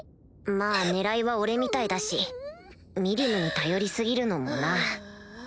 まぁ狙いは俺みたいだしミリムに頼り過ぎるのもな